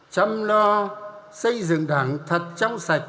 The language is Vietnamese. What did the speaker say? chăm lo xây dựng đảng thật trong sạch